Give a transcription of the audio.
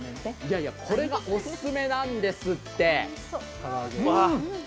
これがオススメなんですって。